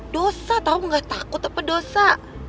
dosa tau gak takut apa dosa